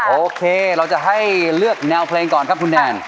โอเคเราจะให้เลือกแนวเพลงก่อนครับคุณแนน